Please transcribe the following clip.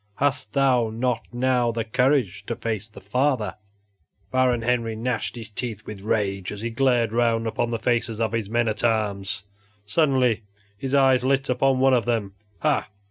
Hast thou not now the courage to face the father?" Baron Henry gnashed his teeth with rage as he glared around upon the faces of his men at arms. Suddenly his eye lit upon one of them. "Ha!